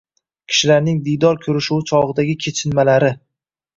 kishilarning diydor ko‘rishuvi chog‘idagi kechinmalari